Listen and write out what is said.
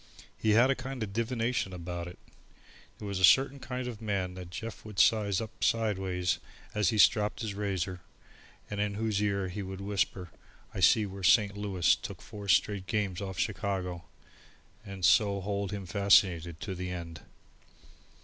He had a kind of divination about it. There was a certain kind of man that Jeff would size up sideways as he stropped the razor, and in whose ear he would whisper: "I see where Saint Louis has took four straight games off Chicago," and so hold him fascinated to the end.